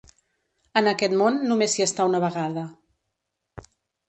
En aquest món només s'hi està una vegada.